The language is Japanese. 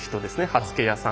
刃付け屋さん。